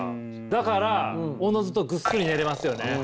だからおのずとグッスリ寝れますよね。